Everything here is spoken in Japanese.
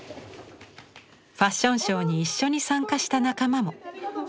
ファッションショーに一緒に参加した仲間も。